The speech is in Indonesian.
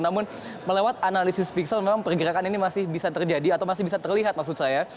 namun melewat analisis pixel memang pergerakan ini masih bisa terjadi atau masih bisa terlihat maksud saya